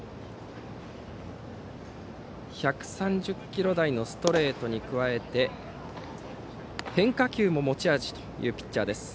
１３０キロ台のストレートに加え変化球も持ち味というピッチャーです。